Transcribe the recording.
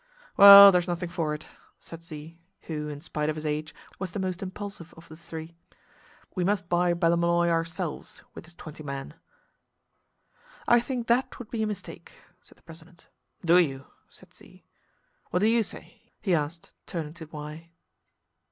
"Well, there is nothing for it," said Z, who, in spite of his age, was the most impulsive of the three. "We must buy Ballymolloy ourselves, with his twenty men." "I think that would be a mistake," said the president. "Do you?" said Z. "What do you say?" he asked, turning to Y.